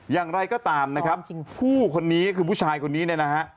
อย่างไรก็ตามนะครับผู้คนนี้คือผู้ชายคนนี้เนี่ยนะฮะ